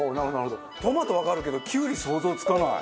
トマトわかるけどきゅうり想像つかない。